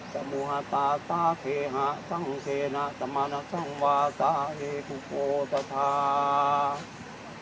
สัมโฆภาสัสเผยะสังเทนะสัมมานสังวาสะเอพุโฆจัทธา